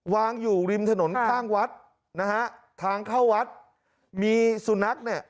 วางอยู่ริมถนนข้างวัดนะฮะทางเข้าวัดมีสุนัขเนี่ย